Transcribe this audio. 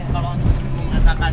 kalau untuk di punggung asakan